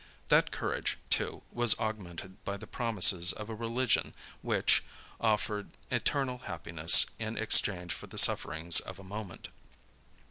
That courage, too, was augmented, by the promises of a religion, which offered eternal happiness in exchange for the sufferings of a moment.